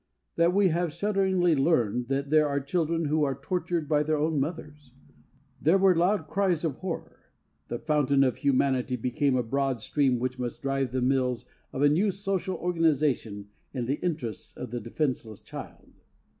That we have shudderingly learned that there are children who are tortured by their own mothers? There were loud cries of horror. The fountain of humanity became a broad stream which must drive the mills of a new social organization in the interests of the defenceless child.